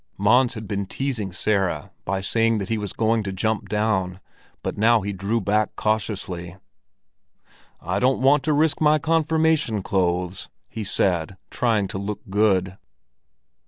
Mons had been teasing Sara by saying that he was going to jump down, but now he drew back cautiously. "I don't want to risk my confirmation clothes," he said, trying to look good.